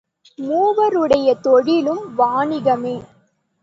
மூவருடைய தொழிலும் வாணிகமே!